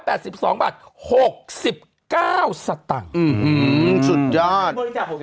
เมื่อกี้จาก๖๙อื่ม